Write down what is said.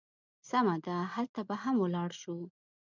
سمه ده، هلته به هم ولاړ شو.